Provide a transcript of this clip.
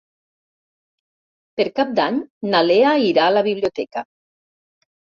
Per Cap d'Any na Lea irà a la biblioteca.